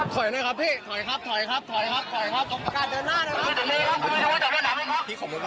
ถอยหน่อยครับพี่ถอยครับถอยครับถอยครับ